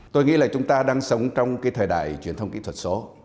tôi nghĩ là chúng ta đang sống trong cái thời đại truyền thông kỹ thuật số